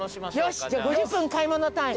よしじゃあ５０分買い物タイム。